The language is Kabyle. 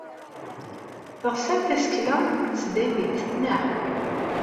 Teɣram tasekla deg tesdawit, naɣ?